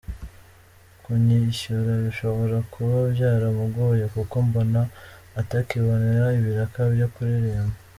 Kunyishyura bishobora kuba byaramugoye kuko mbona atakibona ibiraka byo kuririmba.